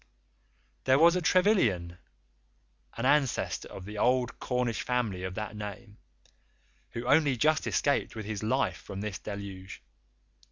There was a Trevilian, an ancestor of the old Cornish family of that name, who only just escaped with his life from this deluge.